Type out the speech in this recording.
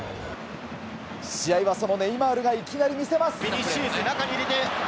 試合はそのネイマールがいきなり見せます。